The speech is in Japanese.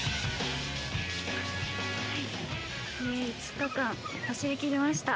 ５日間走りきりました。